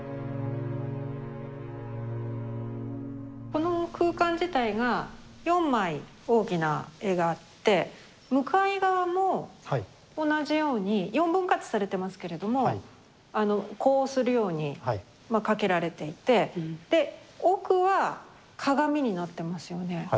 この空間自体が４枚大きな絵があって向かい側も同じように４分割されてますけれどもあの呼応するようにまあ掛けられていてで奥は鏡になってますよね。